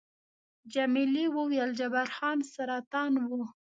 جميلې وويل:، جبار خان سرطان وو؟